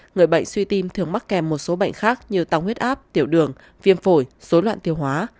người bệnh suy tim thường mắc kèm một số bệnh khác như tăng huyết áp tiểu đường viêm phổi dối loạn tiêu hóa